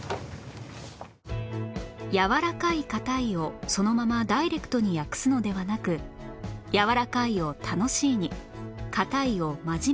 「柔らかい」「硬い」をそのままダイレクトに訳すのではなく「柔らかい」を「楽しい」に「硬い」を「真面目」とする事で